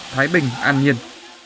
thái bình an nhiên